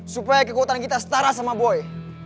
supaya kekuatan kita setara sama boy